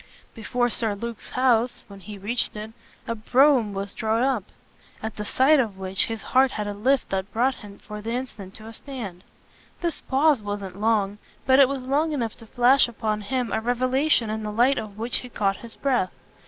Before Sir Luke's house, when he reached it, a brougham was drawn up at the sight of which his heart had a lift that brought him for the instant to a stand. This pause wasn't long, but it was long enough to flash upon him a revelation in the light of which he caught his breath.